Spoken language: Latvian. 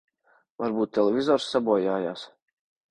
Varbūt televizors sabojājās.